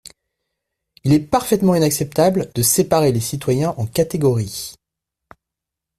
Il est parfaitement inacceptable de séparer les citoyens en catégories.